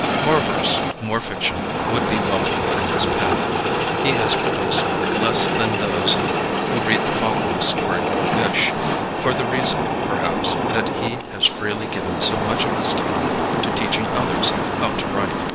More verse, more fiction, would be welcome from his pen. He has produced less than those who read the following story will wish, for the reason, perhaps, that he has freely given so much of his time to teaching others how to write.